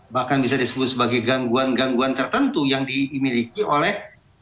bahkan bisa disebut sebagai gangguan gangguan tertentu yang dimiliki oleh